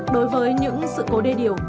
đối với những sự cố đê điều